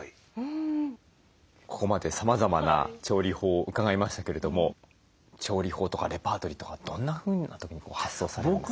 ここまでさまざまな調理法を伺いましたけれども調理法とかレパートリーとかどんなふうな時に発想されるんですか？